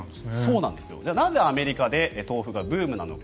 じゃあ、なぜアメリカで豆腐がブームなのか。